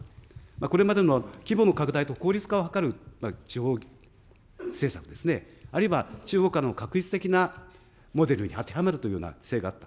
これまでの規模の拡大と効率化を図る地方政策ですね、あるいは地方間の画一的なモデルに当てはまるというような規制があった。